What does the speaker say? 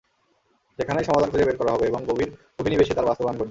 সেখানেই সমাধান খুঁজে বের করা হবে এবং গভীর অভিনিবেশে তার বাস্তবায়ন ঘটবে।